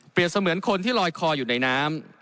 เปลี่ยนเสมือนคนที่ลอยคออยู่ในน้ำ